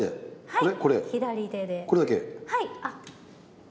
はい。